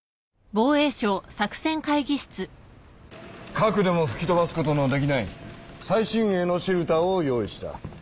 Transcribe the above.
核でも吹き飛ばすことのできない最新鋭のシェルターを用意した